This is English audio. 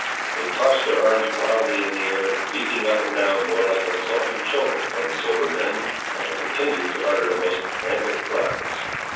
They tossed their arms wildly in the air, leaping up and down more like exulting children than sober men, and continued to utter the most frantic cries.